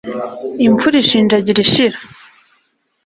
imfura ishinjagira ishira